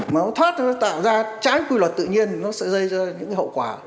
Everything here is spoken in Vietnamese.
mà nó thoát nó sẽ tạo ra trái quy luật tự nhiên nó sẽ dây ra những hậu quả